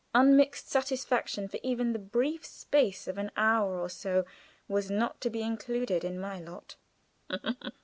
Unmixed satisfaction for even the brief space of an hour or so was not to be included in my lot.